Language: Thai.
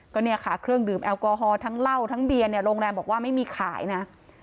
ก็เนี่ยค่ะเครื่องดื่มแอลกอฮอลทั้งเหล้าทั้งเบียร์เนี่ยโรงแรมบอกว่าไม่มีขายนะ